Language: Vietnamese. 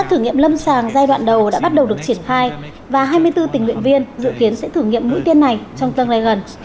các thử nghiệm lâm sàng giai đoạn đầu đã bắt đầu được triển khai và hai mươi bốn tình nguyện viên dự kiến sẽ thử nghiệm mũi tiên này trong tương lai gần